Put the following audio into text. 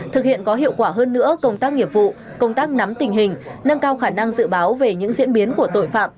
thực hiện có hiệu quả hơn nữa công tác nghiệp vụ công tác nắm tình hình nâng cao khả năng dự báo về những diễn biến của tội phạm